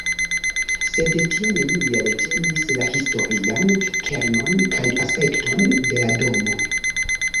Sed tio neniel ĝenis la historian kernon kaj aspekton de la domo.